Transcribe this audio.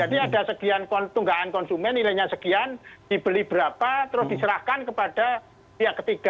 jadi ada segian tunggakan konsumen nilainya sekian dibeli berapa terus diserahkan kepada pihak ketiga